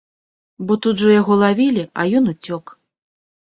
Бо тут жа яго лавілі, а ён уцёк.